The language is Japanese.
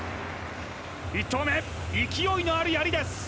１投目、勢いのあるやりです。